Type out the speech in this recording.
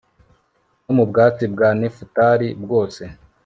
no mu bwatsi bwa nefutali bwose